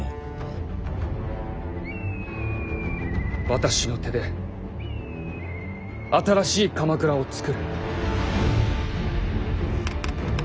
私の手で新しい鎌倉をつくる。